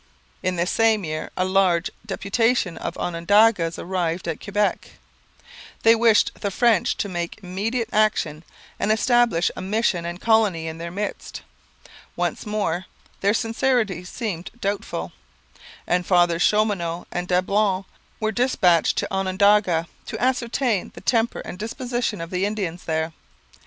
In this same year a large deputation of Onondagas arrived at Quebec. They wished the French to take immediate action and establish a mission and colony in their midst. Once more their sincerity seemed doubtful; and Fathers Chaumonot and Dablon were dispatched to Onondaga to ascertain the temper and disposition of the Indians there.